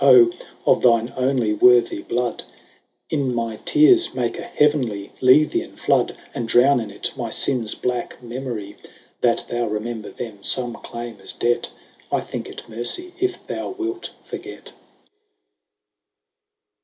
Oh! of thine onely worthy blood, 10 And my teares, make a heavenly Lethean flood, And drowne in it my finnes blacke memorie ; That thou remember them, fome claime as debt, 1 thinke it mercy, if thou wilt forget.